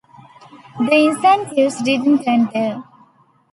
The incentives didn't end there.